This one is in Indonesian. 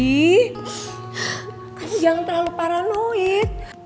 kamu jangan terlalu paranoid